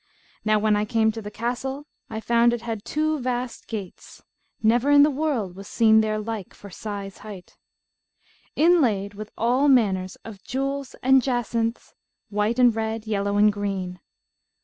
Now when I came to the castle, I found it had two vast gates (never in the world was seen their like for size height) inlaid with all manner of jewels and jacinths, white and red, yellow and green.